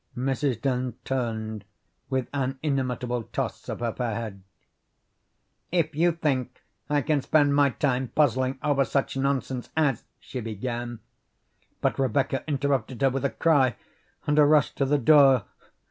Mrs. Dent turned with an inimitable toss of her fair head. "If you think I can spend my time puzzling over such nonsense as " she began, but Rebecca interrupted her with a cry and a rush to the door.